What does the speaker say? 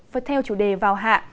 và theo chủ đề vào hạ